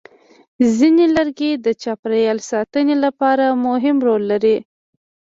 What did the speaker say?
ځینې لرګي د چاپېریال ساتنې لپاره مهم رول لري.